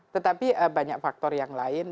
tetapi banyak faktor yang lain